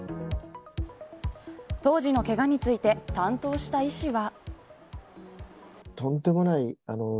当時のけがについて担当した医師は。